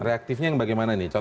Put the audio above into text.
reaktifnya bagaimana nih